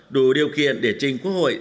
đủ điều kiện để trình quốc hội